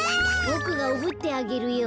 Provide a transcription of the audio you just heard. ボクがおぶってあげるよ。